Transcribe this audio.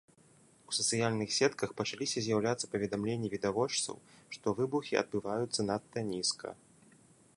У сацыяльных сетках пачаліся з'яўляцца паведамленні відавочцаў, што выбухі адбываюцца надта нізка.